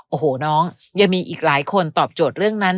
โอ้โหน้องยังมีอีกหลายคนตอบโจทย์เรื่องนั้น